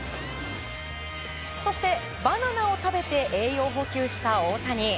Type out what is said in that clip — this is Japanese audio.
そして、バナナを食べて栄養補給した大谷。